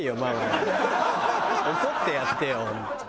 怒ってやってよ本当。